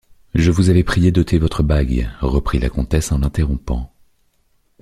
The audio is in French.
Je vous avais prié d’ôter votre bague, reprit la comtesse en l’interrompant.